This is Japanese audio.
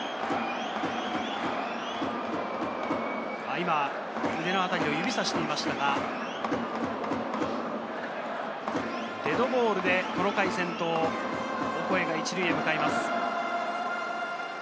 今、胸のあたりを指さしていましたが、デッドボールでこの回、先頭・オコエが１塁へ向かいます。